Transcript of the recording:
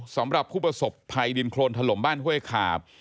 สำหรับผู้ประสบภัยดินโครนถล่มบ้านห้วยขาบ